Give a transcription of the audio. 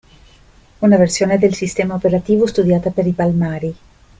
Una versione del sistema operativo studiata per i palmari.